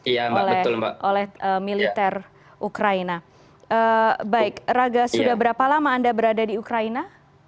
iya mbak betul mbak oleh militer ukraina baik raga sudah berapa lama anda berada di ukraina